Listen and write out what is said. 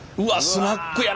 スナックや。